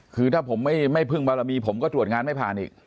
คือถ้าผมไม่พึ่งบารมีผมก็ตรวจงานไม่ผ่านอีก